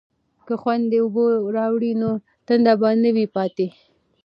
که خویندې اوبه راوړي نو تنده به نه وي پاتې.